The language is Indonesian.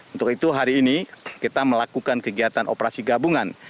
untuk itu hari ini kita melakukan kegiatan operasi gabungan